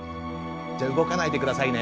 じゃ動かないでくださいね。